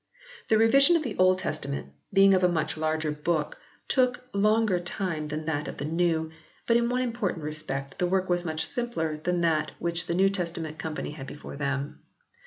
The Revision of the Old Testament, being of a much larger book, took longer time than that of the New; but in one important respect the work was much simpler than that which the New Testament vii] THE REVISED VERSION OF 1881 129 Company had before them.